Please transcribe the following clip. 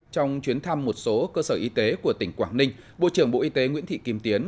trong chuyến thăm một số cơ sở y tế của tỉnh quảng ninh bộ trưởng bộ y tế nguyễn thị kim tiến